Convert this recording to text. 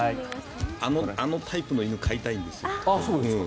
あのタイプの犬を飼いたいんですよ。